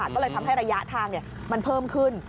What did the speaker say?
ก็เลยทำให้ระยะทางมันเพิ่มขึ้น